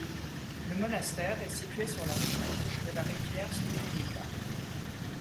Le monastère est situé sur la rive gauche de la rivière Studenica.